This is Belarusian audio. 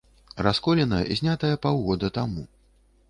Расколіна, знятая паўгода таму.